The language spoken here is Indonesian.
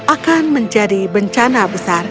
akan menjadi bencana besar